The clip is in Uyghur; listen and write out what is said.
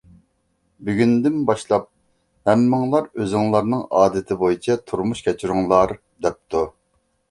بۈگۈندىن باشلاپ، ھەممىڭلار ئۆزۈڭلارنىڭ ئادىتى بويىچە تۇرمۇش كەچۈرۈڭلار! دەپتۇ.